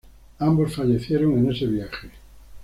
Ambos fallecieron en ese viaje.